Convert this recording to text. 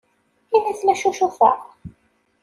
Ini-as la ccucufeɣ.